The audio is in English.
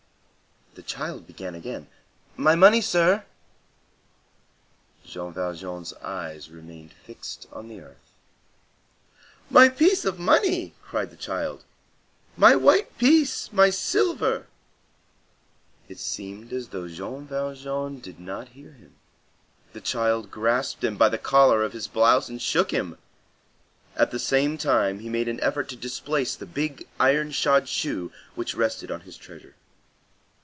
The child began again, "My money, sir." Jean Valjean's eyes remained fixed on the earth. "My piece of money!" cried the child, "my white piece! my silver!" It seemed as though Jean Valjean did not hear him. The child grasped him by the collar of his blouse and shook him. At the same time he made an effort to displace the big iron shod shoe which rested on his treasure.